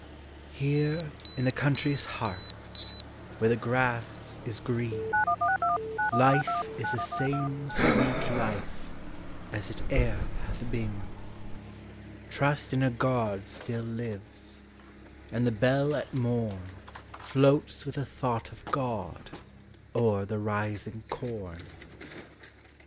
Here in the country's heart Where the grass is green, Life is the same sweet life As it e'er hath been. NATURE'S INFLUENCE. 11 Trust in a God still lives, And the bell at morn Floats with a thought of God O'er the rising corn.